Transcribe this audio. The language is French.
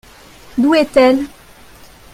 D'où est-elle ?